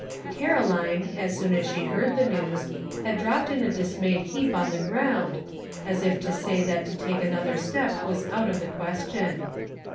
Caroline, as soon as she heard the news, had dropped in a dismayed heap on the ground, as if to say that to take another step was out of the question.